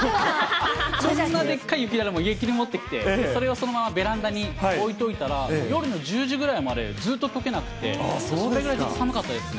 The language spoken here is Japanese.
こんなでっかい雪だるま、家に持ってきて、それをそのままベランダに置いといたら、夜の１０時ぐらいまでずっととけなくて、それぐらい寒かったですね。